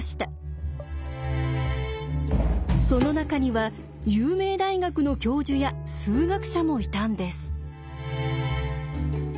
その中には有名大学の教授や数学者もいたんです。